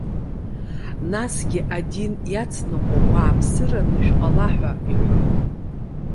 Насгьы: Адин иацныҟәо уааԥсыраны шәҟала,- ҳәа иҳәоит.